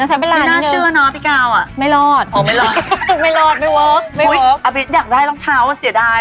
ร้อยกว่าบาทขึ้นมาประมาณ๑๐๐เลยนะ